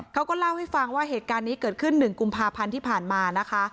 เขาก็เล่าให้ฟังว่าเหตุการณ์นี้เกิดขึ้น๑กุมภาพันธ์ที่ผ่านมานะคะ